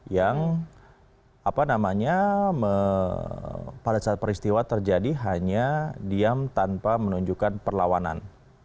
yang apa namanya pada saat peristiwa terjadi hanya diam tanpa menunjukkan perlawanan